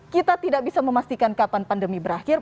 kita tidak bisa memastikan kapan pandemi berakhir